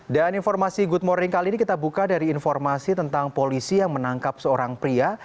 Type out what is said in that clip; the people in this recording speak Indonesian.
dan informasi good morning kali ini kita buka dari informasi tentang polisi yang menangkap seorang pria